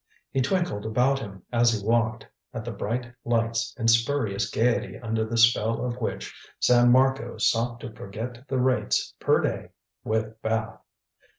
He twinkled about him as he walked at the bright lights and spurious gaiety under the spell of which San Marco sought to forget the rates per day with bath.